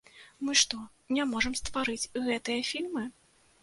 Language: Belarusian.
Мы што, не можам стварыць гэтыя фільмы?